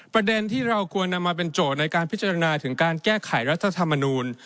ประเด็นที่เราควรนำมาเป็นโจทย์ในการพิจารณาถึงการแก้ไขรัฐธรรมนูล